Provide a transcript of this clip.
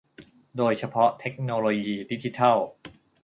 โดยเฉพาะเทคโนโลยีดิจิทัล